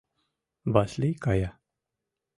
Васлий кая.